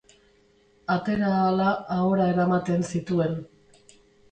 Atera ahala ahora eramaten zituen.